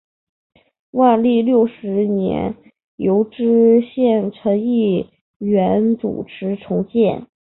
万历三十六年由知县陈一元主持重建。